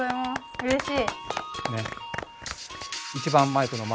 うれしい。